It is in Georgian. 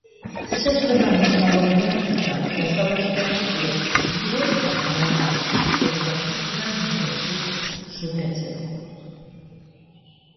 ესაზღვრება აღმოსავლეთიდან სუჩავის, დასავლეთიდან კი კლუჟის, ჩრდილოეთიდან მარამურეშის, ხოლო სამხრეთიდან მურეშის ჟუდეცები.